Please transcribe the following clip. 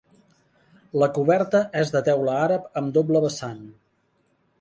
La coberta és de teula àrab amb doble vessant.